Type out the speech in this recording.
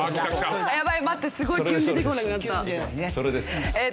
やばい待ってすごい急に出てこなくなった。